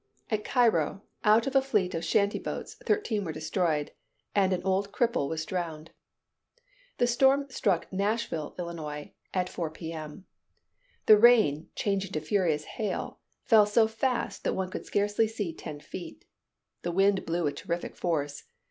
At Cairo, out of a fleet of shanty boats, thirteen were destroyed, and an old cripple was drowned. The storm struck Nashville (Ill.) at 4 P.M. The rain, [Illustration: RUINED DWELLINGS.] changing to furious hail, fell so fast that one could scarcely see ten feet. The wind blew with terrific force.